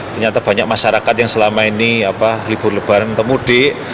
ternyata banyak masyarakat yang selama ini libur lebaran temudik